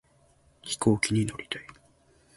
飛行機に乗りたい